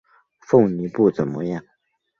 凤梨不怎么样